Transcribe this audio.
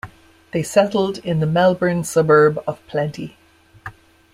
They settled in the Melbourne suburb of Plenty.